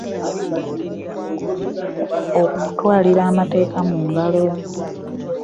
Okutwalira amateeka mu ngalo .